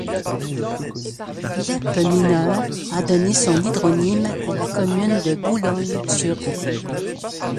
L'Helpe Mineure a donné son hydronyme à la commune de Boulogne-sur-Helpe.